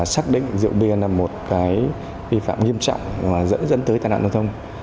xác định rượu biên là một vi phạm nghiêm trọng dẫn tới tai nạn giao thông